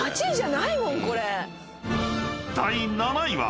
［第７位は］